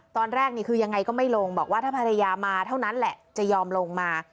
นี่คือยังไงก็ไม่ลงบอกว่าถ้าภรรยามาเท่านั้นแหละจะยอมลงมา